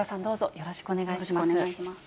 よろしくお願いします。